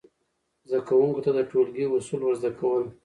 زده کوونکو ته د ټولګي اصول ور زده کول،